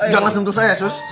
jangan sentuh saya sus